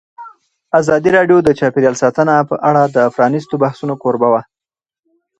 ازادي راډیو د چاپیریال ساتنه په اړه د پرانیستو بحثونو کوربه وه.